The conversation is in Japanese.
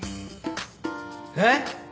えっ！